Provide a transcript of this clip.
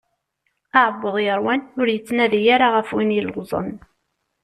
Aɛebbuḍ yeṛwan ur yettnadi ara ɣef win yelluẓen.